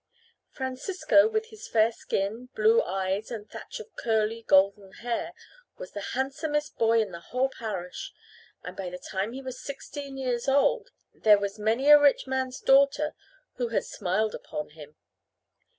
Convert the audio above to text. Francisco, with his fair skin, blue eyes and thatch of curly golden hair, was the handsomest boy in the whole parish, and by the time he was sixteen years old there was many a rich man's daughter who had smiled upon him.